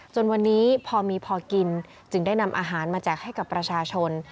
จนวันนี้พอมีพอกินจึงได้นำอาหารมาแจกให้กับประชาชน